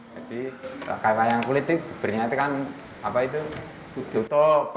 jadi pakai wayang kulit itu gebernya itu kan apa itu tutup